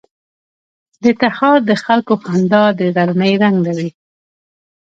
د تخار د خلکو خندا د غرنی رنګ لري.